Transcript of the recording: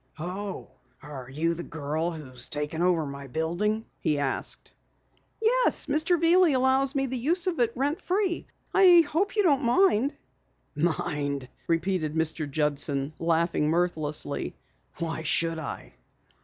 "Oh, are you the girl who has taken over my building?" he asked. "Yes, Mr. Veeley allows me the use of it rent free. I hope you don't mind?" "Mind?" repeated Mr. Judson, laughing mirthlessly. "Why should I?"